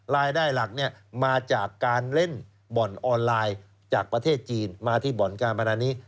รายได้หลักมาจากการเล่นบ่อนออนไลน์จากประเทศจีนมาที่บ่อนการพนันนี้